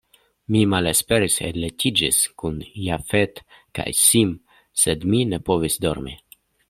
Mi malesperis, enlitiĝis kun Jafet kaj Sim, sed mi ne povis dormi.